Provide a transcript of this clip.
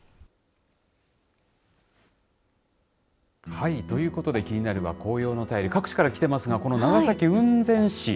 はい、ということでキニナル！は紅葉の便り各地から来てますが長崎市雲仙市